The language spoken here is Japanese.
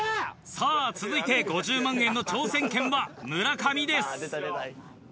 さぁ続いて５０万円の挑戦権は村上です。